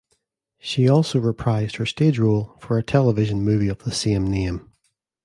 She also reprised her stage role for a television movie of the same name.